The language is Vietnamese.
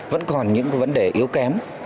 vẫn còn những cái vấn đề yếu kém